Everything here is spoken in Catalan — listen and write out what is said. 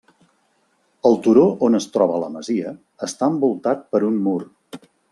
El turó on es troba la masia està envoltat per un mur.